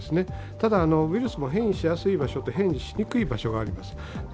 ただ、ウイルスも変異しやすい場所と変異しにくい場所があるんです。